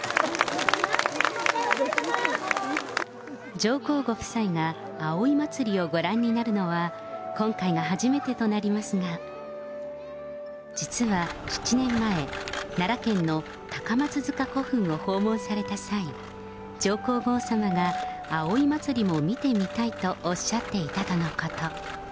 上皇ご夫妻が葵祭をご覧になられるのは、今回が初めてとなりますが、実は７年前、奈良県の高松塚古墳を訪問された際、上皇后さまが葵祭も見てみたいとおっしゃっていたとのこと。